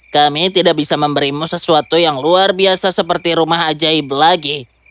kami tidak bisa memberimu sesuatu yang luar biasa seperti rumah ajaib lagi